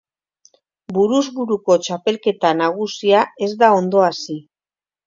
Buruz buruko txapelketa nagusia ez da ondo hasi.